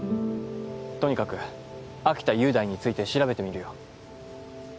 とにかく秋田雄大について調べてみるよ。